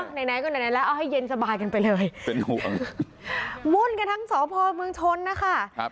ต้องนั้นก็นั้นนั้นแล้วเอาให้เย็นสบายกันไปเลยเป็นขู้อังว้นกันทั้งสะพอเมืองชนนะคะ